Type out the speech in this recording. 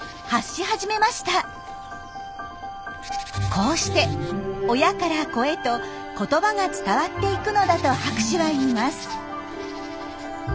こうして親から子へと言葉が伝わっていくのだと博士は言います。